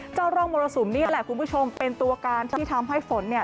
ร่องมรสุมนี่แหละคุณผู้ชมเป็นตัวการที่ทำให้ฝนเนี่ย